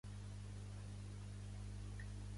Pertany al moviment independentista l'Homer?